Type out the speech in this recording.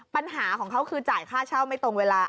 ปัญหาของเขาคือจ่ายค่าเช่าไม่ตรงเวลา